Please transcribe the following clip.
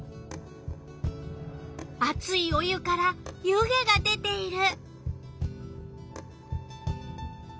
あついお湯から湯気が出ている。